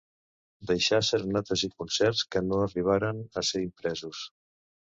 Deixà serenates i concerts que no arribaren a ser impresos.